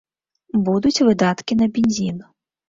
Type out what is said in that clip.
Будуць выдаткі на бензін.